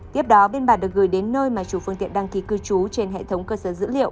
tiếp đó biên bản được gửi đến nơi mà chủ phương tiện đăng ký cư trú trên hệ thống cơ sở dữ liệu